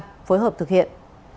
sẽ có một phối hợp thực hiện